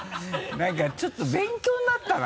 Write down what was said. なんかちょっと勉強になったな。